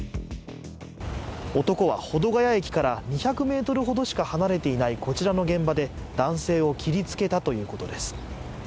男は保土ケ谷駅から２００ｍほどしか離れていない、こちらの現場で男性を切りつけたということです。